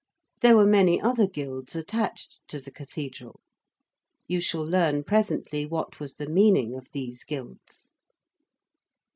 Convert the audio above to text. There were many other guilds attached to the Cathedral. You shall learn presently what was the meaning of these guilds.